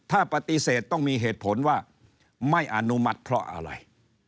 ถ้าปฏิเสธต้องมีเหตุผลว่าไม่อนุมัติเพราะอะไร